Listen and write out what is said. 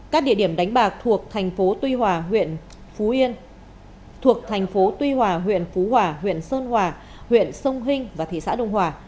các địa điểm đánh bạc thuộc thành phố tuy hòa huyện phú yên thuộc thành phố tuy hòa huyện phú hòa huyện sơn hòa huyện sông hinh và thị xã đông hòa